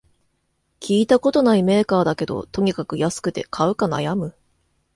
聞いたことないメーカーだけど、とにかく安くて買うか悩む